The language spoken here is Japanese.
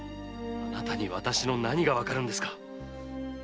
あなたに私の何がわかるんですか？